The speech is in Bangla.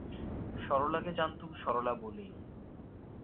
সরলাকে জানতুম সরলা বলেই।